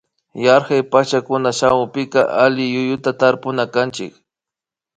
Yarkak pachacunan shamunpika alliyuyu tarpunakanchik